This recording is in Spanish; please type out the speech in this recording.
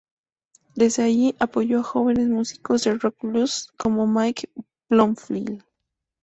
Desde allí, apoyó a jóvenes músicos de rock-blues, como Mike Bloomfield.